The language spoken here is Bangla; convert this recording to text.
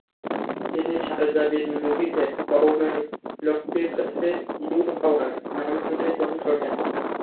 তিনি শারযা বিন মুগীছের কওমের লোকটির কাছে ইউহাওয়ার নাম শুনেই চমকে ওঠেন।